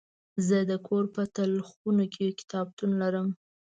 زه د کور په تلخونه کې کتابتون لرم.